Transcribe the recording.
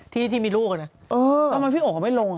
ที่มีลูกนะทำไมพี่โอ๋เขาไม่ลง